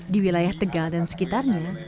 di wilayah tegal dan sekitarnya